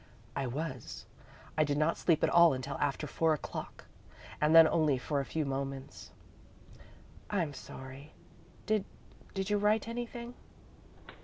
"I was. I did not sleep at all until after four o'clock, and then only for a few moments." "I'm sorry. Did did you write anything?"